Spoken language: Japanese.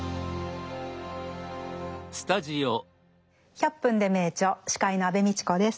「１００分ｄｅ名著」司会の安部みちこです。